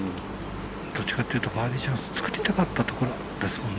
どっちかっていうとバーディーチャンス作りたかったところですもんね。